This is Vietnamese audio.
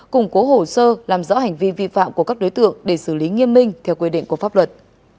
củng cố hồ sơ làm rõ hành vi vi phạm của các đối tượng để xử lý nghiêm minh theo quy định của pháp luật